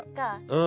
うん。